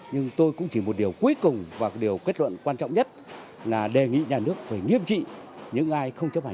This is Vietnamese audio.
nhưng tôi cũng chỉ một điều cuối cùng và điều kết luận quan trọng nhất là đề nghị nhà nước phải nghiêm trị những ai không chấp hành